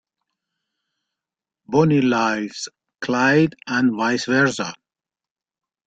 Bonnie loves Clyde and vice versa.